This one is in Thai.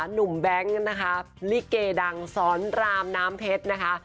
แบงค์นะคะลิเกดังสอนรามน้ำเพชรนะคะ